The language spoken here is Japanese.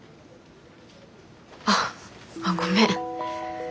あああっごめん。